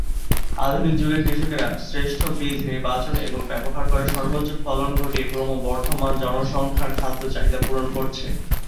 আধুনিক যুগের কৃষকেরা শ্রেষ্ঠ বীজ নির্বাচন ও ব্যবহার করে সর্বোচ্চ ফলন ঘটিয়ে ক্রমবর্ধমান জনসংখ্যার খাদ্য চাহিদা পূরণ করছে।